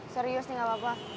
serius nih gak apa apa